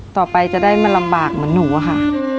ต่อไปจะได้มันลำบากเหมือนหนูอะค่ะ